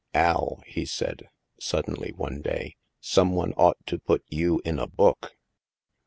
" Al," he said suddenly one day, " some one ought to put you in a book."